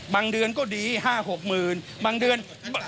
เดือนก็ดี๕๖หมื่นบางเดือน